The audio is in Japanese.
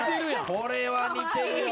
これは似てるよ。